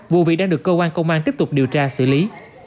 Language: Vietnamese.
vụ việc đang được công an tiếp tục điều tra xử lý